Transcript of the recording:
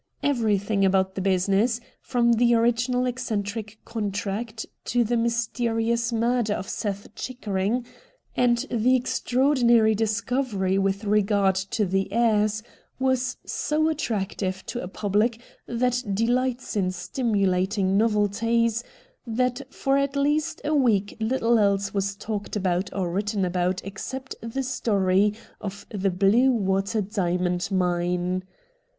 Everything about the business, from the origi nal eccentric contract to the mysterious murder of Seth Chickering, and the extraordinary dis covery with regard to the heirs, was so attractive to a public that delights in stimu lating novelties, that for at least a week little else was talked about or written about except the story of the Bluewater Diamond Mine.